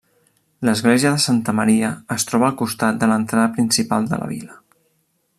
L'església de Santa Maria es troba al costat de l'entrada principal de la vila.